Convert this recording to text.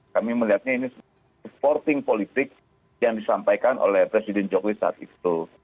kami melihatnya ini supporting politik yang disampaikan oleh presiden jokowi saat itu